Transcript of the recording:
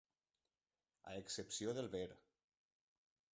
A excepció del Ver.